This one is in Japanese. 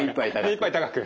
目いっぱい高く？